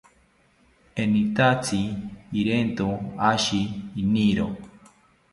Enitatzi irento ashi iniro